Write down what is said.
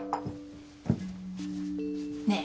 ねえ。